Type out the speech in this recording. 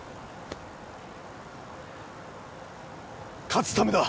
勝つためだ。